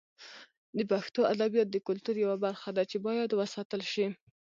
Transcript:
د پښتو ادبیات د کلتور یوه برخه ده چې باید وساتل شي.